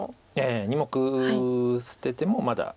２目捨ててもまだ。